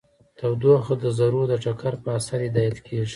تودوخه د ذرو د ټکر په اثر هدایت کیږي.